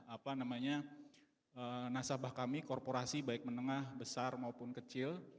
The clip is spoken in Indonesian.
apa namanya nasabah kami korporasi baik menengah besar maupun kecil